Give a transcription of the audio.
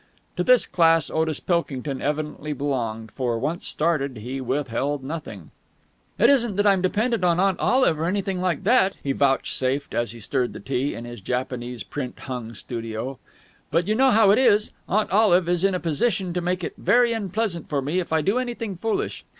To this class Otis Pilkington evidently belonged, for, once started, he withheld nothing. "It isn't that I'm dependent on Aunt Olive or anything like that," he vouchsafed, as he stirred the tea in his Japanese print hung studio. "But you know how it is. Aunt Olive is in a position to make it very unpleasant for me if I do anything foolish.